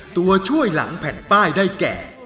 ตัวช่วยหลังแผ่นป้ายได้แก่